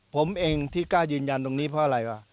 ผมเองที่กล้ายืนยันตรงนี้เพราะอะไรวะ